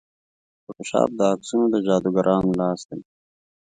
فوټوشاپ د عکسونو د جادوګرانو لاس دی.